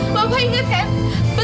bapak inget kan